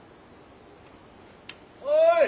・おい！